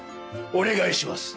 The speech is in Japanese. お願いします！